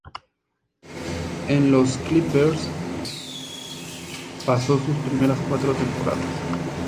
En los Clippers pasó sus primeras cuatro temporadas.